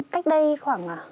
cách đây khoảng